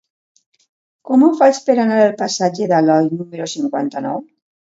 Com ho faig per anar al passatge d'Aloi número cinquanta-nou?